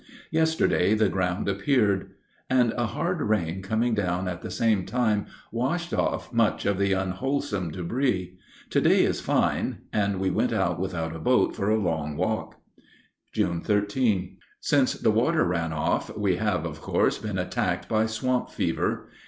Yesterday the ground appeared, and a hard rain coming down at the same time washed off much of the unwholesome debris. To day is fine, and we went out without a boat for a long walk. June 13. Since the water ran off, we have, of course, been attacked by swamp fever.